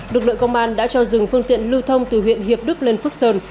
lực lượng công an đã cho dừng phương tiện lưu thông từ huyện hiệp đức lên phước sơn